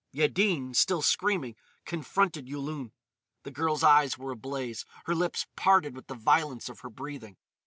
Yaddin, still screaming, confronted Yulun. The girl's eyes were ablaze, her lips parted with the violence of her breathing.